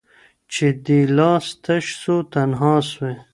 چي دي لاس تش سو تنها سوې